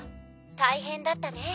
大変だったね。